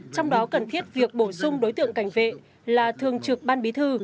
trong đó cần thiết việc bổ sung đối tượng cảnh vệ là thường trực ban bí thư